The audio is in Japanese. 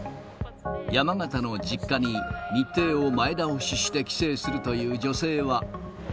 山形の実家に日程を前倒しして帰省するという女性は。